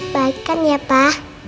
baikkan ya pak